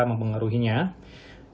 yang sangat besar mempengaruhinya